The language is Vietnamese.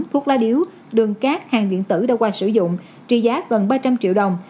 thuốc lá điếu đường cát hàng điện tử đã qua sử dụng trị giá gần ba trăm linh triệu đồng